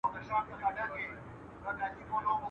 پر زردکه نه يم، پر خرپ ئې يم.